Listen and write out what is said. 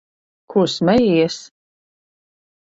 Ko smejies?